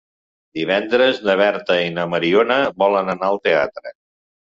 Divendres na Berta i na Mariona volen anar al teatre.